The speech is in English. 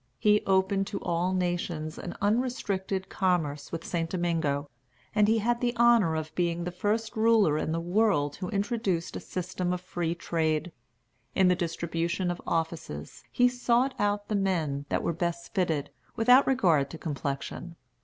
He opened to all nations an unrestricted commerce with St. Domingo; and he has the honor of being the first ruler in the world who introduced a system of free trade. In the distribution of offices, he sought out the men that were best fitted, without regard to complexion.